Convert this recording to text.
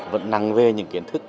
vẫn nặng về những kiến thức